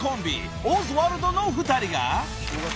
オズワルドの２人が］